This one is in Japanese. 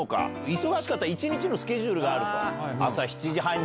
忙しかった一日のスケジュールがあると。